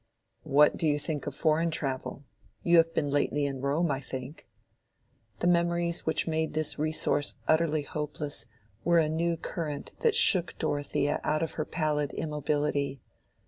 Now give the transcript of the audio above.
"What do you think of foreign travel? You have been lately in Rome, I think." The memories which made this resource utterly hopeless were a new current that shook Dorothea out of her pallid immobility.